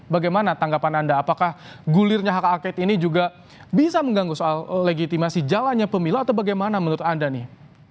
bagaimana tanggapan anda apakah gulirnya hak angket ini juga bisa mengganggu soal legitimasi jalannya pemilu atau bagaimana menurut anda nih